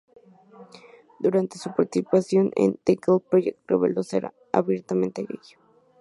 Durante su participación en "The Glee Project" reveló ser abiertamente gay.